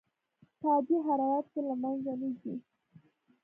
په عادي حرارت کې له منځه نه ځي.